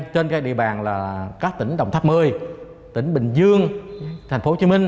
trên các địa bàn là các tỉnh đồng tháp mơi tỉnh bình dương thành phố hồ chí minh